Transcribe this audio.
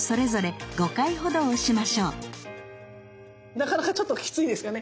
なかなかちょっときついですかね。